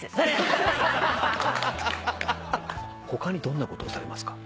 他にどんなことをされますか？